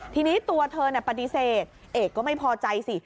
ทีนี้ตัวเธอปฏิเสธเอกก็ไม่พอใจสิ